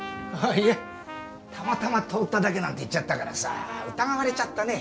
いやたまたま通っただけなんて言っちゃったからさ疑われちゃったね。